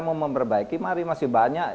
mau memperbaiki mari masih banyak